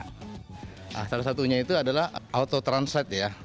nah salah satunya itu adalah auto translate ya